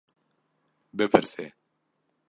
Bipirse.